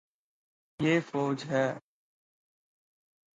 یے فوج ہے